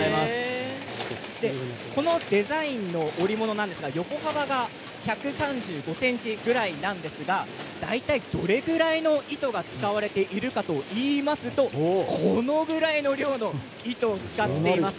このデザインの織物ですが横幅が１３５ｃｍぐらいなんですが大体どれくらいの糸が使われているかといいますとこのぐらいの量の糸を使っているんです。